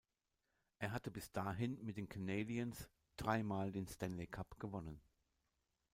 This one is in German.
Er hatte bis dahin mit den Canadiens drei Mal den Stanley Cup gewonnen.